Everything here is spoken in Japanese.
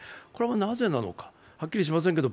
なぜなのかはっきりしませんけど